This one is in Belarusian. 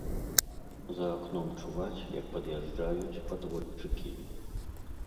За акном чуваць, як пад'язджаюць падводчыкі.